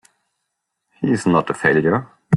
He's not a failure!